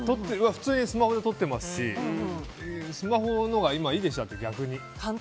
普通にスマホで撮ってますしスマホのほうが今いいでしょ、逆に。